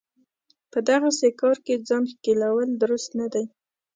په دغسې کار کې ځان ښکېلول درست نه دی.